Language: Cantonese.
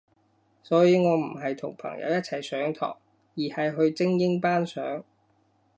所以我唔係同朋友一齊上堂，而係去精英班上